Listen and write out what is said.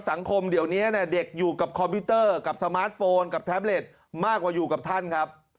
สังคมเดี๋ยวนี้เด็กอยู่กับคอมพิวเตอร์กับสมาร์ทโฟนกับแท็บเล็ตมากกว่าอยู่กับท่านครับ